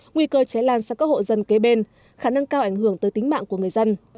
nguy cơ cháy lan sang các hộ dân kế bên khả năng cao ảnh hưởng tới tính mạng của người dân